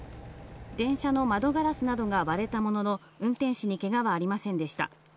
電車の窓ガラスなどが割れたものの、運転士にけがはありませんでした。